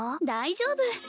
大丈夫！